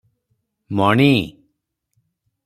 ମଣି!-"